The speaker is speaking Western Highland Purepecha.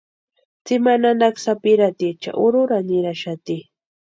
Tsimani nanaka sapirhatiecha urhurani niraxati.